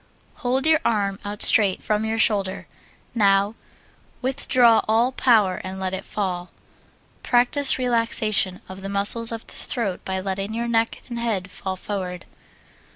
Hold your arm out straight from your shoulder. Now withdraw all power and let it fall. Practise relaxation of the muscles of the throat by letting your neck and head fall forward.